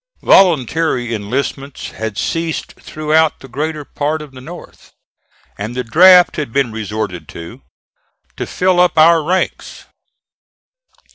Voluntary enlistments had ceased throughout the greater part of the North, and the draft had been resorted to to fill up our ranks.